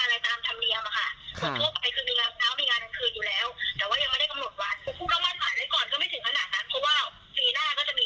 ไม่ได้สายฟ้าแรกในทันที